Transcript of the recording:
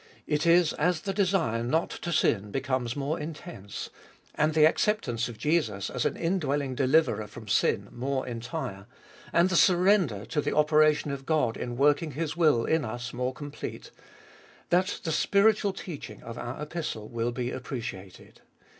It is as the desire not to sin becomes more intense ; and the accept ance of Jesus as an indwelling deliverer from sin more entire ; and the surrender to the operation of God in working His will in us more complete ; that the spiritual teaching of our Epistle will be appreciated.